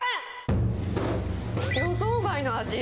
予想外の味。